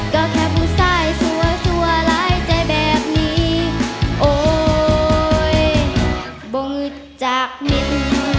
ก็แค่พูดซ้ายสัวสัวให้รายใจแบบนี้โอ้ยบ่งฮึตจากมิตร